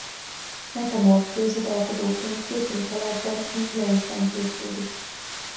Metamorf kőzetalkotóként főként palákban és gneiszben képződik.